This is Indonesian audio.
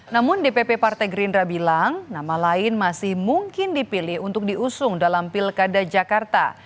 namun dpp partai gerindra bilang nama lain masih mungkin dipilih untuk diusung dalam pilkada jakarta